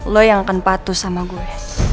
lo yang akan patuh sama gue